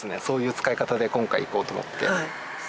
そういう使い方で今回いこうと思って。